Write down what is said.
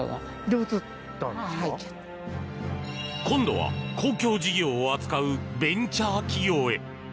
今度は公共事業を扱うベンチャー企業へ。